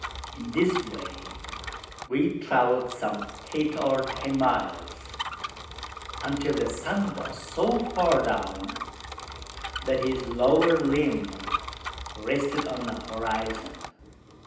In this way we had travelled some eight or ten miles until the sun was so far down, that his lower limb rested on the horizon.